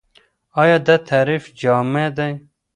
ايا دا تعريف جامع دی؟